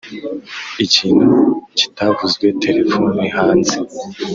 ikintu kitavuzwe, terefone hanze